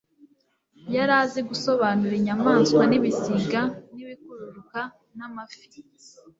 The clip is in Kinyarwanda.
yari azi gusobanura inyamaswa n'ibisiga n'ibikururuka n'amafi